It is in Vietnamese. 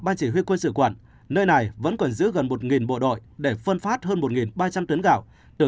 ban chỉ huy quân sự quận nơi này vẫn còn giữ gần một bộ đội để phân phát hơn một ba trăm linh tấn gạo được